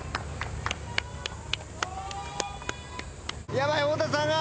ヤバい太田さんが。